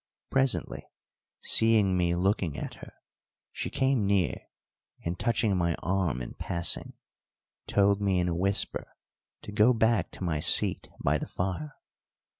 Presently, seeing me looking at her, she came near, and, touching my arm in passing, told me in a whisper to go back to my seat by the fire.